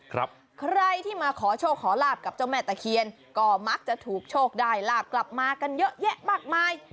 ใครที่มาขอโชคขอลาบกับเจ้าแม่ตะเคียนก็มักจะถูกโชคได้ลาบกลับมากันเยอะแยะมากมาย